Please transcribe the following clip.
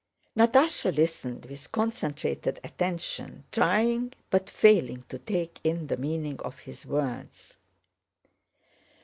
Natásha listened with concentrated attention, trying but failing to take in the meaning of his words.